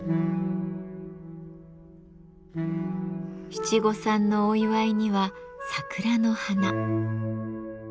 七五三のお祝いには桜の花。